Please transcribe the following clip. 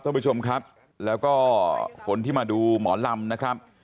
ท่านผู้ชมครับแล้วก็คนที่มาดูหมอลำนะครับ